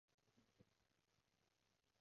絕對係啦